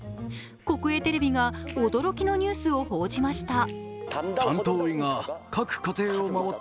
国営テレビが驚きのニュースを報じました。